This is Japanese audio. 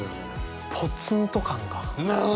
ポツンと感が。